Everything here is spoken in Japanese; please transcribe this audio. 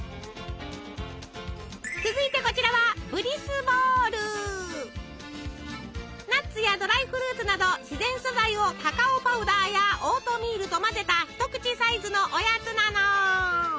続いてこちらはナッツやドライフルーツなど自然素材をカカオパウダーやオートミールと混ぜた一口サイズのおやつなの。